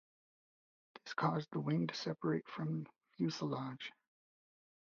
This caused the wing to separate from the fuselage.